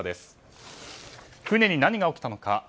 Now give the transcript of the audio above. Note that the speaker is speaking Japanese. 船に何が起きたのか？